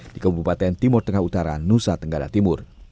di kabupaten timur tengah utara nusa tenggara timur